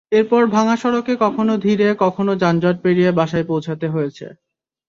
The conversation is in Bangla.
এরপর ভাঙা সড়কে কখনো ধীরে কখনো যানজট পেরিয়ে বাসায় পৌঁছাতে হয়েছে।